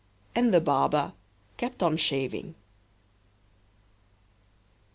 And the barber kept on shaving.